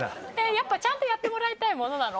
やっぱちゃんとやってもらいたいものなの？